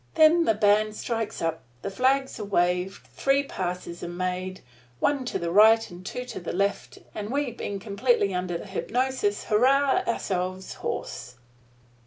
Then the band strikes up, the flags are waved, three passes are made, one to the right and two to the left; and we, being completely under the hypnosis, hurrah ourselves hoarse.